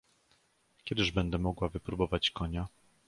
"Kiedyż będę mogła wypróbować konia?"